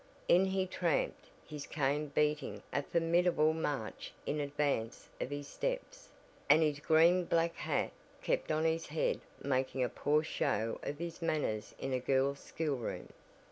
In he tramped, his cane beating a formidable march in advance of his steps, and his green black hat kept on his head making a poor show of his manners in a girls' schoolroom.